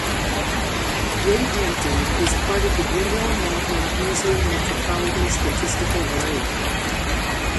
Wade Hampton is part of the Greenville-Mauldin-Easley Metropolitan Statistical Area.